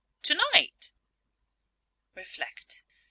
tonight? Reflect.